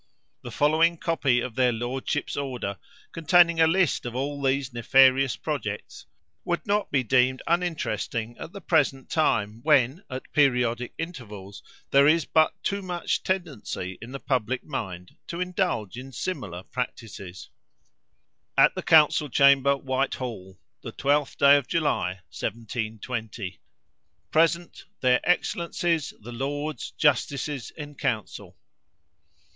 The following copy of their lordships' order, containing a list of all these nefarious projects, will not be deemed uninteresting at the present time, when, at periodic intervals, there is but too much tendency in the public mind to indulge in similar practices: "At the Council Chamber, Whitehall, the 12th day of July, 1720. Present, their Excellencies the Lords Justices in Council.